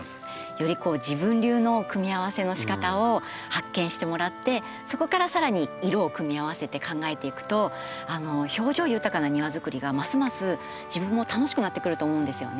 より自分流の組み合わせのしかたを発見してもらってそこからさらに色を組み合わせて考えていくと表情豊かな庭づくりがますます自分も楽しくなってくると思うんですよね。